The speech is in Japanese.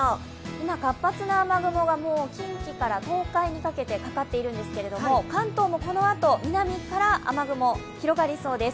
今、活発な雨雲が近畿から東海にかけてかかっているんですけども、関東もこのあと南から雨雲広がりそうです。